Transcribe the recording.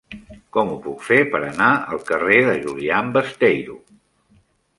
Com ho puc fer per anar al carrer de Julián Besteiro?